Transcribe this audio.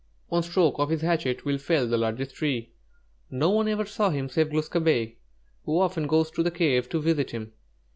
One stroke of his hatchet will fell the largest tree. No one ever saw him save Glūs kābé, who often goes to the cave to visit him.